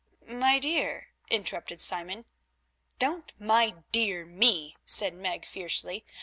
"My dear," interrupted Simon. "Don't 'my dear' me," said Meg fiercely.